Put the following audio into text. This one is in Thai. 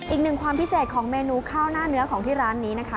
อีกหนึ่งความพิเศษของเมนูข้าวหน้าเนื้อของที่ร้านนี้นะคะ